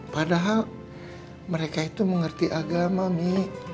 padahal mereka itu mengerti agama mik